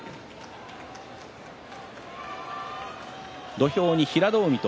土俵に、平戸海と